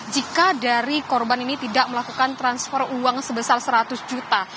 jika dari korban ini tidak melakukan transfer uang sebesar seratus juta